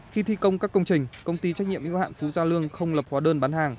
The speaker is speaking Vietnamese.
khi thi công các công trình công ty trách nhiệm yêu hạn phú gia lương không lập hóa đơn bán hàng